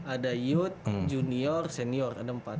ada youth junior senior ada empat